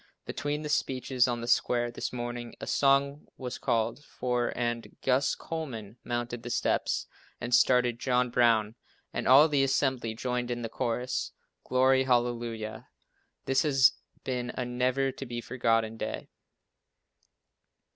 Between the speeches on the square this morning a song was called for and Gus Coleman mounted the steps and started "John Brown" and all the assembly joined in the chorus, "Glory, Hallelujah." This has been a never to be forgotten day.